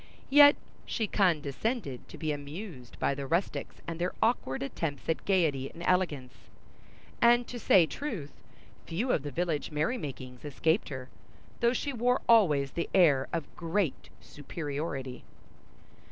Yet she condescended to be amused by the rustics and their awkward attempts at gaiety and elegance; and, to say truth, few of the village merry makings escaped her, though she wore always the air of great superiority.